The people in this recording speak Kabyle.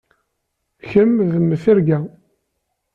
Kemm d mm tirga.